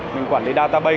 mình quản lý database